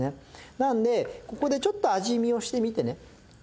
なのでここでちょっと味見をしてみてね。